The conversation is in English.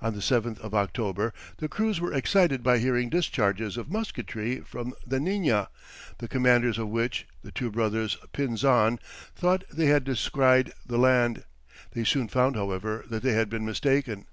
On the 7th of October, the crews were excited by hearing discharges of musketry from the Nina, the commanders of which, the two brothers Pinzon, thought they had descried the land; they soon found, however, that they had been mistaken.